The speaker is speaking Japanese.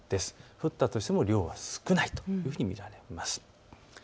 降ったとしても量は少ないというふうに見られます。